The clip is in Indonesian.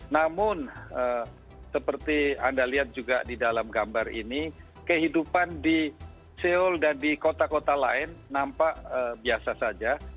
namun seperti anda lihat juga di dalam gambar ini kehidupan di seoul dan di kota kota lain nampak biasa saja